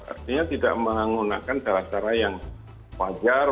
artinya tidak menggunakan cara cara yang wajar